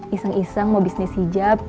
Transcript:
iseng iseng mau bisnis hijab